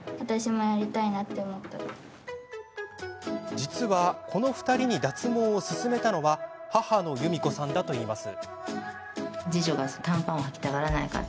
実は、２人に脱毛を勧めたのは母の、ゆみこさんだといいます。